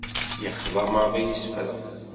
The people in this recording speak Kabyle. Yexḍa maḍi i isefra.